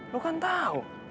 lo kan tau